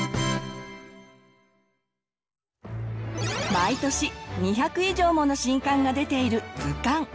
毎年２００以上もの新刊が出ている図鑑。